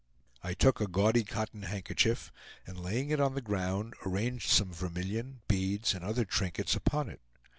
I took a gaudy cotton handkerchief, and laying it on the ground, arranged some vermilion, beads, and other trinkets upon it.